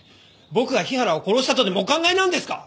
僕が日原を殺したとでもお考えなんですか！？